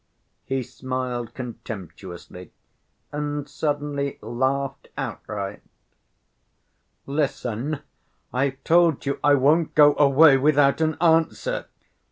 He smiled contemptuously and suddenly laughed outright. "Listen; I've told you I won't go away without an answer!"